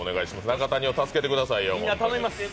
中谷を助けてくださいよ。